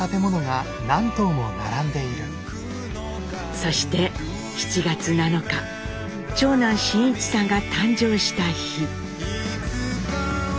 そして７月７日長男真一さんが誕生した日。